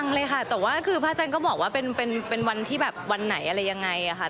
ยังเลยค่ะแต่ว่าผ้าจันก็บอกว่าเป็นวันไหนอะไรยังไงค่ะ